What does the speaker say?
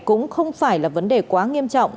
cũng không phải là vấn đề quá nghiêm trọng